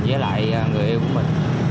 với lại người thân